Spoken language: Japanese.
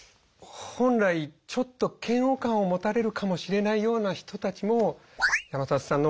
本来ちょっと嫌悪感を持たれるかもしれないような人たちも否定しないですからＹＯＵさん。